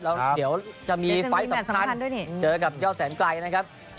แล้วเดี๋ยวจะมีไฟล์สำคัญเจอกับยอดแสนไกลนะครับ